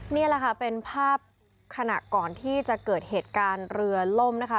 นี่แหละค่ะเป็นภาพขณะก่อนที่จะเกิดเหตุการณ์เรือล่มนะคะ